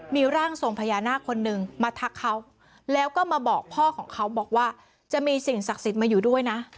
มีร่างทรงพญานาคคนหนึ่งมาทักเขาแล้วก็มาบอกพ่อของเขาบอกว่าจะมีสิ่งศักดิ์สิทธิ์มาอยู่ด้วยนะ